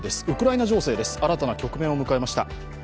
ウクライナ情勢です、新たな局面を迎えました。